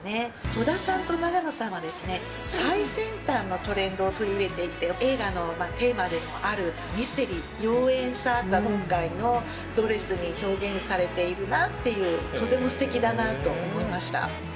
戸田さんと永野さんが、最先端のトレンドを取り入れていて、映画のテーマでもあるミステリー、妖艶さが、今回のドレスに表現されているなっていう、とてもすてきだなと思いました。